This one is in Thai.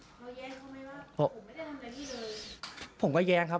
เขาแย้งเขาไหมว่าผมไม่ได้ทำอะไรพี่เลยผมก็แย้งครับ